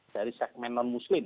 dari segmen non muslim